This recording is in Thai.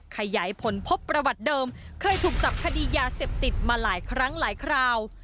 ขยายผลพบประวัติเดิมเคยถูกจับคดียาเสพติดมาหลายครั้งหลายคราว